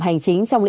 cả về hợp đồng